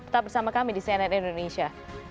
tetap bersama kami di cnn indonesia